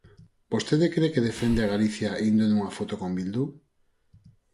¿Vostede cre que defende a Galicia indo nunha foto con Bildu?